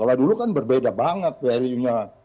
kalau dulu kan berbeda banget value nya